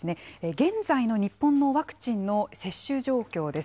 現在の日本のワクチンの接種状況です。